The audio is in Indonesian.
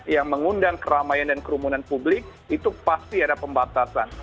yang mengundang keramaian dan kerumunan publik itu pasti ada pembatasan